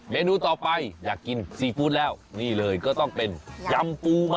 เนนูต่อไปอยากกินซีฟู้ดแล้วนี่เลยก็ต้องเป็นยำปูฮะ